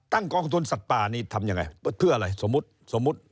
ตั้งกองทุนสัตว์ปลานี่ทำยังไงเพื่ออะไรสมมุติ